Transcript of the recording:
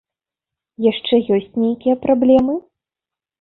Яшчэ ёсць нейкія праблемы?